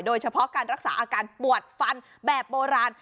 โดยเฉพาะการรักษาอาการปวดฟันแบบโบราณ